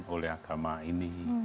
oleh agama ini